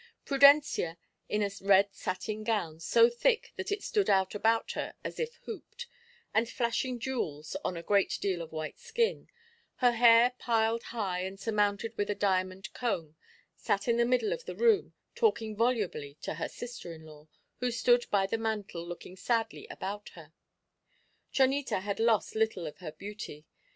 Prudencia, in a red satin gown, so thick that it stood out about her as if hooped, and flashing jewels on a great deal of white skin, her hair piled high and surmounted with a diamond comb, sat in the middle of the room talking volubly to her sister in law, who stood by the mantel looking sadly about her. Chonita had lost little of her beauty.